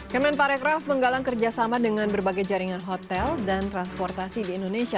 kemen parekraf menggalang kerjasama dengan berbagai jaringan hotel dan transportasi di indonesia